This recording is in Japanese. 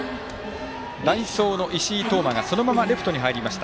代走の石井沓抹がそのままレフトに入りました。